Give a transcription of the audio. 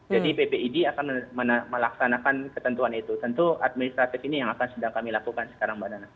jadi ppid akan melaksanakan ketentuan itu tentu administratif ini yang akan sedang kami lakukan sekarang mbak nana